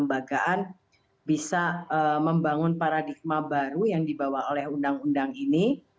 mungkin juga kelembagaan bisa membangun paradigma baru yang dibawa oleh undang undang ini